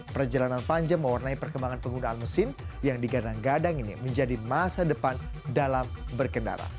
perjalanan panjang mewarnai perkembangan penggunaan mesin yang digadang gadang ini menjadi masa depan dalam berkendara